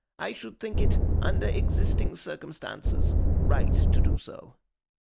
I should think it, under existing circumstances, right to do so.